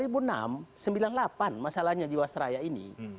bukan dua ribu enam sembilan puluh delapan masalahnya di wasraya ini